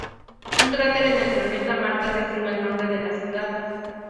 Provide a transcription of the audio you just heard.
Un cráter en el planeta Marte recibe el nombre de la ciudad.